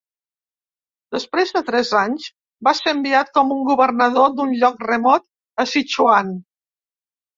Després de tres anys, va ser enviat com a governador d'un lloc remot a Sichuan.